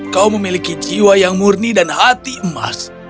kau memiliki jiwa yang murni dan hati emas